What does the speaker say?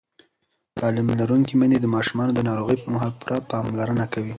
تعلیم لرونکې میندې د ماشومانو د ناروغۍ پر مهال پوره پاملرنه کوي.